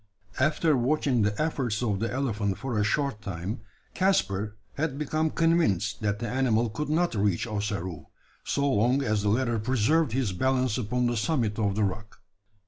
After watching the efforts of the elephant for a short time, Caspar had become convinced that the animal could not reach Ossaroo so long as the latter preserved his balance upon the summit of the rock.